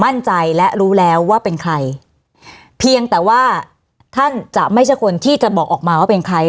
มั่นใจและรู้แล้วว่าเป็นใครเพียงแต่ว่าท่านจะไม่ใช่คนที่จะบอกออกมาว่าเป็นใคร